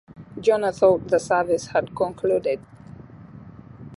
Jonah thought the service had concluded.